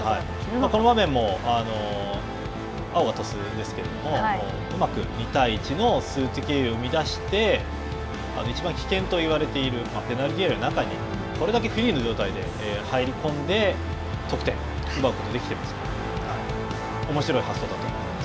この場面も青が鳥栖ですけども、うまく２対１の数的優位を生み出して、いちばん危険と言われているペナルティーエリアの中にどれだけフリーの状態で入り込んで得点を奪うことができています。